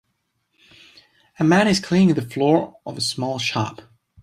A man is cleaning the floor of a small shop